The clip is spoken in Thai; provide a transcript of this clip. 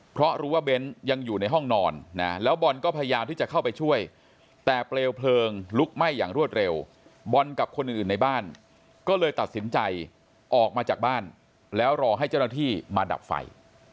เพราะรู้ว่าเบ้นยังอยู่ในห้องนอนนะแล้วบอลก็พยายามที่จะเข้าไปช่วยแต่เปลวเพลิงลุกไหม้อย่างรวดเร็วบอลกับคนอื่นในบ้านก็เลยตัดสินใจออกมาจากบ้านแล้วรอให้เจ้าหน้าที่มาดับไฟ